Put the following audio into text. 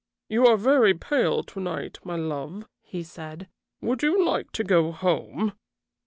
"You are very pale to night, my love," he said. "Would you like to go home?"